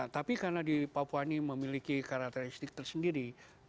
tapi karena di papua ini memiliki karakteristik tersendiri